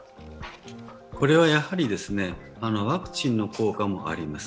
これはやはりワクチンの効果もあります。